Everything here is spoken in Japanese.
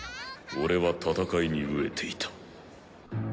俺は戦いに飢えていた。